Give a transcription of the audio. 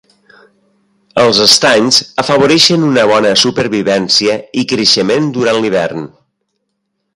Els estanys afavoreixen una bona supervivència i creixement durant l'hivern.